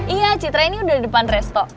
iya citra ini udah di depan resto